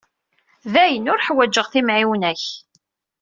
Dayen ur ḥwaǧeɣ timɛiwna-k.